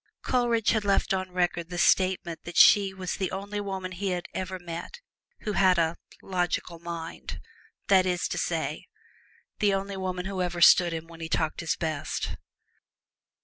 Coleridge has left on record the statement that she was the only woman he ever met who had a "logical mind" that is to say, the only woman who ever understood him when he talked his best.